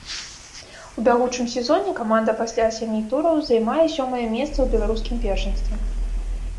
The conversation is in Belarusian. У бягучым сезоне каманда пасля сямі тураў займае сёмае месца ў беларускім першынстве.